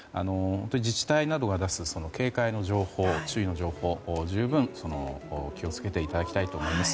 自治体などが出す警戒の情報注意の情報、十分気を付けていただきたいです。